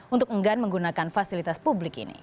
untuk enggan menggunakan fasilitas publik ini